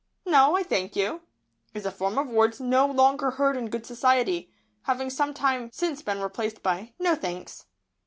"No, I thank you," is a form of words no longer heard in good society, having some time since been replaced by "No, thanks."